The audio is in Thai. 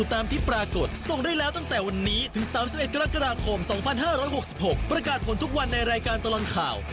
ถึง๓๑กรกฎาคม๒๕๖๖ประกาศผลทุกวันในรายการตลอดข่าว